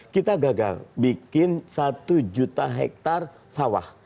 kita gagal bikin satu juta hektare sawah